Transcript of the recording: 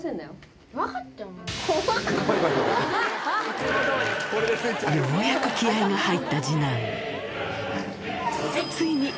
ようやく気合いが入った次男。